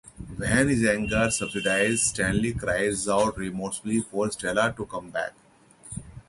When his anger subsides, Stanley cries out remorsefully for Stella to come back.